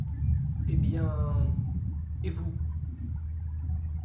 Eh bien… et vous…